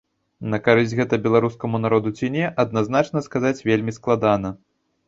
На карысць гэта беларускаму народу ці не, адназначна сказаць вельмі складана.